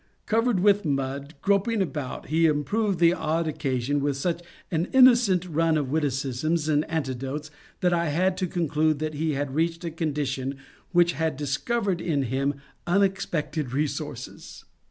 Covered with mud, groping about, he improved the odd occasion with such an innocent run of witticisms and anecdotes that I had to con clude that he had reached a condition which had discovered in him unexpected resources.